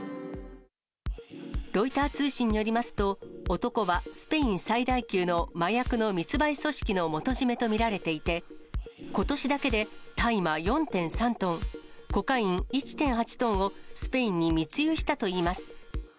ロイター通信によりますと、男はスペイン最大級の麻薬の密売組織の元締めと見られていて、ことしだけで大麻４．３トン、コカイン１．８トンをスペインに密輸したといいます。